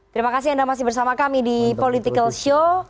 terima kasih anda masih bersama kami di political show